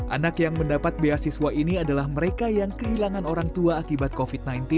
anak yang mendapat beasiswa ini adalah mereka yang kehilangan orang tua akibat covid sembilan belas